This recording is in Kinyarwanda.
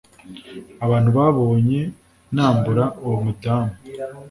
abantu babonye nambura uwo mudamu